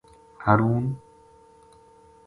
ہارون